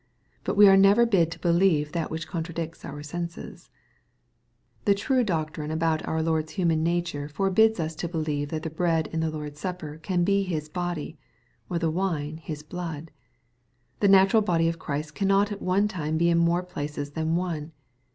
But we are never bid to believe that which contradicts our senses. The true doctrine about our Lord's human nature forbids us to believe .that the bread in the Lord's Supper can be His body, or the wine His blood. The natural body of Christ cannot be at one time in more places than one.